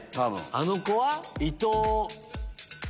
あの子は？